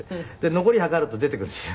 残り量ると出てくるんですよ。